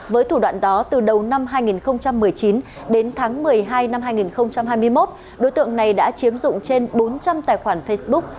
với thủ đoạn đó từ đầu năm hai nghìn một mươi chín đến tháng một mươi hai năm hai nghìn hai mươi một đối tượng này đã chiếm dụng trên bốn trăm linh tài khoản facebook